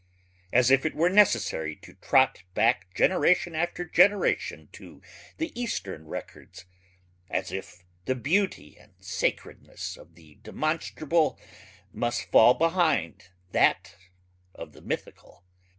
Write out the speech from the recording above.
As if it were necessary to trot back generation after generation to the eastern records! As if the beauty and sacredness of the demonstrable must fall behind that of the mythical!